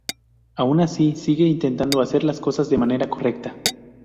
Aun así, sigue intentando hacer las cosas de manera correcta.